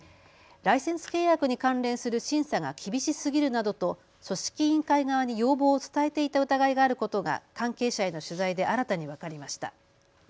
ライセンス契約に関連する審査が厳しすぎるなどと組織委員会側に要望を伝えていた疑いがあることが関係者への取材で新たに分かりました。